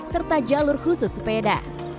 serta jalur khusus sepeda